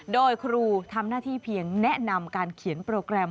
โดยครูทำหน้าที่เพียงแนะนำการเขียนโปรแกรม